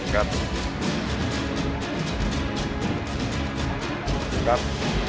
ครับ